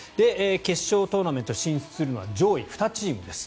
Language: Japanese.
決勝トーナメント進出するのは上位２チームです。